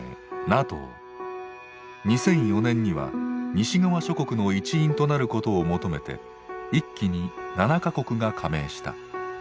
２００４年には西側諸国の一員となることを求めて一気に７か国が加盟した。